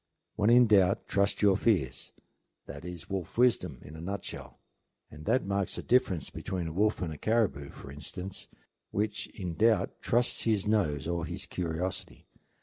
When in doubt trust your fears, that is wolf wisdom in a nutshell; and that marks the difference between a wolf and a caribou, for instance, which in doubt trusts his nose or his curiosity.